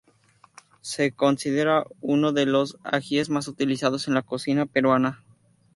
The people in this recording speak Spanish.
Se considera uno de los ajíes más utilizados en la cocina peruana.